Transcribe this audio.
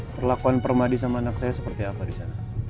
perlakuan permadi sama anak saya seperti apa di sana